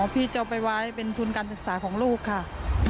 พี่จะเอาไปไว้เป็นทุนการศึกษาของลูกค่ะ